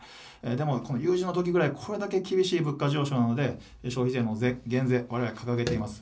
でも、有事の時ぐらい、これだけ厳しい物価上昇なので、消費税の減税、われわれ掲げています。